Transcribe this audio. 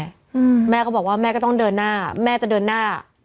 อืมแม่ก็บอกว่าแม่ก็ต้องเดินหน้าแม่จะเดินหน้า